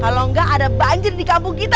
kalau nggak ada banjir di kampung kita